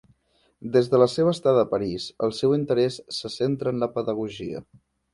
Des de la seva estada a París, el seu interès se centra en la pedagogia.